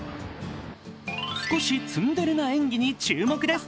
少しツンデレな演技に注目です。